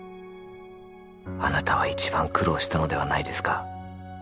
「あなたは一番苦労したのではないですか」